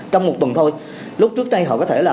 trong một tuần thôi lúc trước đây họ có thể là